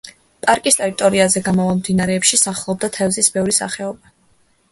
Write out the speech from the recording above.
პარკის ტერიტორიაზე გამავალ მდინარეებში სახლობდა თევზის ბევრი სახეობა.